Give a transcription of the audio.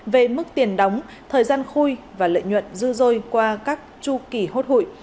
về mức tiền đóng thời gian khui và lợi nhuận dư dôi qua các chu kỷ hốt hụi